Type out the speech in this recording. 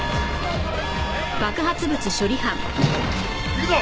行くぞ！